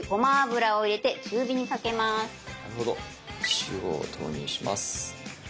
塩を投入します。